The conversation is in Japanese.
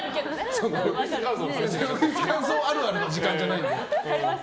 浴室乾燥あるあるの時間じゃないので。